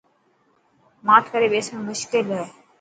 ماٺ ڪري ٻيسڻ مشڪل هي.